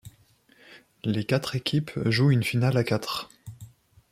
Les quatre équipes jouent une finale à quatre.